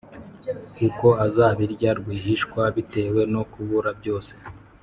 kuko azabirya rwihishwa bitewe no kubura byose,